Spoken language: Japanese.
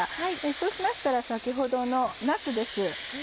そうしましたら先ほどのなすです。